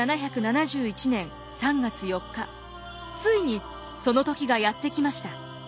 ついにその時がやって来ました。